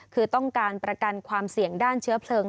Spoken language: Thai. คือต้องการประกันความเสี่ยงด้านเชื้อเพลิง